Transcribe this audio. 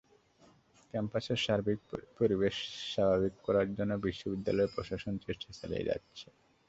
ক্যাম্পাসের সার্বিক পরিবেশ স্বাভাবিক করার জন্য বিশ্ববিদ্যালয় প্রশাসন চেষ্টা চালিয়ে যাচ্ছে।